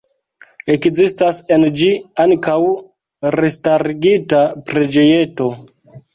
Ekzistas en ĝi ankaŭ restarigita preĝejeto.